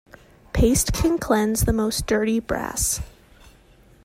Paste can cleanse the most dirty brass.